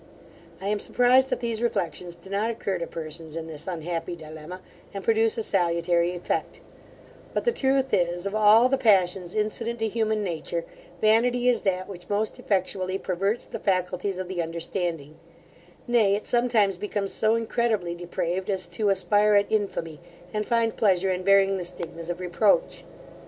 I am surprised that these reflections do not occur to persons in this unhappy dilemma, and produce a salutary effect; but the truth is, of all the passions incident to human nature, vanity is that which most effectually perverts the faculties of the understanding; nay, it sometimes becomes so incredibly depraved, as to aspire at infamy, and find pleasure in bearing the stigmas of reproach.